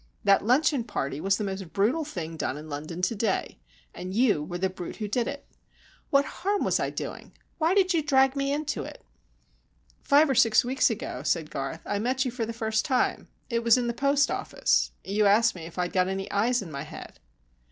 That luncheon party was the most brutal thing done in London to day, and you were the brute who did it. What harm was I doing? Why did you drag me into it?" "Five or six weeks ago," said Garth, "I met you for the first time. It was in the post office. You asked me if I'd got any eyes in my head."